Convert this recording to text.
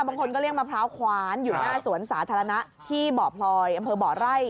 บางคนก็เลี้ยมะพร้าวคว้านอยู่หน้าสวนสาธารณะที่บ่อพลอยอำเภอบ่อไร่